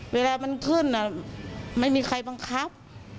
เวลามันขึ้นไม่มีใครบังคับ